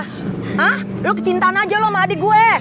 hah lo kecintaan aja loh sama adik gue